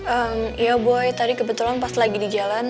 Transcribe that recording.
ehm iya boy tadi kebetulan pas lagi di jalan